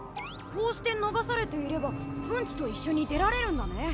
こうして流されていればウンチと一緒に出られるんだね。